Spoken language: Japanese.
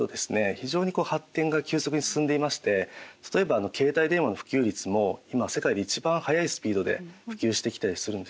非常に発展が急速に進んでいまして例えば携帯電話の普及率も今世界で一番速いスピードで普及してきたりするんですね。